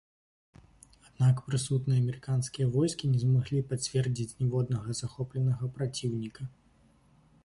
Аднак прысутныя амерыканскія войскі не змаглі пацвердзіць ніводнага захопленага праціўніка.